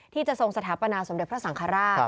ที่จะทรงสถาปนาสมเด็จพระสังฆราช